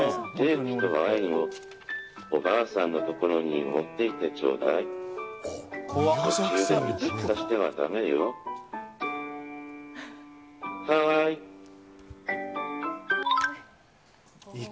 おばあさんのところ持っていってちょうだい。